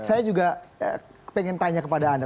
saya juga pengen tanya kepada anda